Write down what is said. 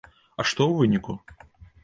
А што ў выніку?